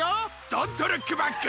ドントルックバック！